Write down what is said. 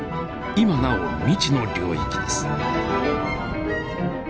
今なお未知の領域です。